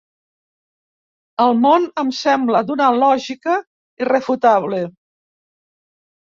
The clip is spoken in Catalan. El món em sembla d'una lògica irrefutable.